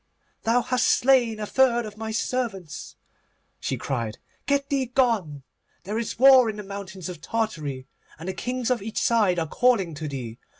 'Thou hast slain a third of my servants,' she cried, 'get thee gone. There is war in the mountains of Tartary, and the kings of each side are calling to thee.